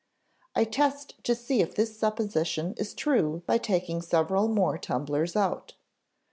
I test to see if this supposition is true by taking several more tumblers out.